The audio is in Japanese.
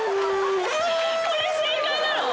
これ正解なの？